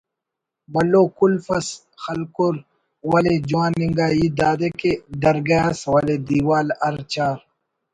بھلو قلف اس خلکر ولے جوان انگا ہیت دادے کہ درگہ ئس ولے دیوال ہرچار